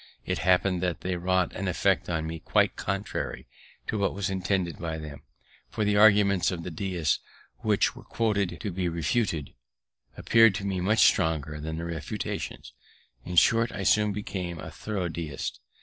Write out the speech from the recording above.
It happened that they wrought an effect on me quite contrary to what was intended by them; for the arguments of the Deists, which were quoted to be refuted, appeared to me much stronger than the refutations; in short, I soon became a thorough Deist.